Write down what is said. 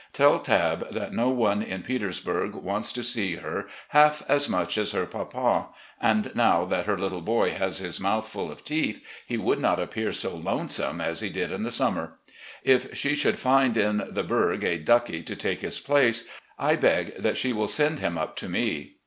Tell Tabb that no one in Peters burg wants to see her half as much as her papa, and now 378 RECOLLECTIONS OP GENERAL LEE that her little boy has his mouth full of teeth, he would not appear so lonesome as he did in the summer. If she should find in the 'Burg' a 'Duckie' to take his place, I beg that she will send him up to me.